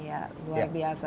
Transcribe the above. iya luar biasa